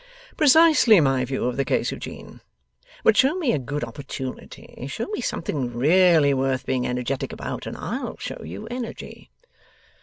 'Precisely my view of the case, Eugene. But show me a good opportunity, show me something really worth being energetic about, and I'll show you energy.